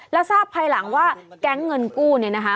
แล้วทราบภายหลังว่าแก๊งเงินกู้เนี่ยนะคะ